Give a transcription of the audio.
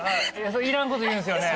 いらんこと言うんすよね。